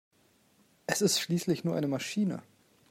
Es ist schließlich nur eine Maschine!